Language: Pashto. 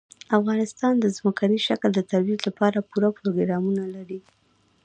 افغانستان د ځمکني شکل د ترویج لپاره پوره پروګرامونه لري.